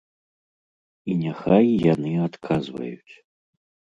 І няхай яны адказваюць.